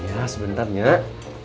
ya sebentar cek